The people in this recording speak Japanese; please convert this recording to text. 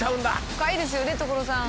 深いですよね所さん。